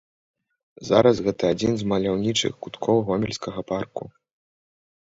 Зараз гэта адзін з маляўнічых куткоў гомельскага парку.